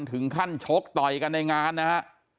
ถึงขั้นโชคต่อยกันในงานนะฮะ